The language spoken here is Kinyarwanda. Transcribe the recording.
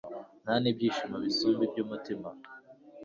nta n'ibyishimo bisumba iby'umutima